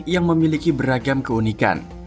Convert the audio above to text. yang memiliki beragam keunikan